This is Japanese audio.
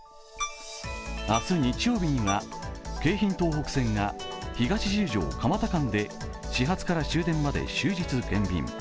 明日日曜日には、京浜東北線が東十条−蒲田間で始発から終電まで終日減便。